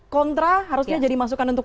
kontra harusnya jadi masukan untuk